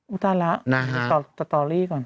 อุตาระตอบต่อตอรี่ก่อน